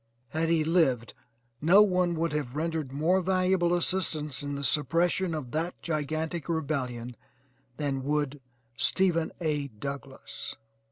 Had he lived no one would have rendered more valuable assistance in the suppression of that gigantic rebellion than would Stephen A. Douglass.